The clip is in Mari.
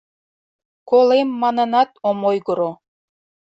Колем манынат ом ойгыро.